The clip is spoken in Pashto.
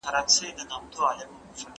د اخلاص او مینې په سیمټو یې جوړه کړئ.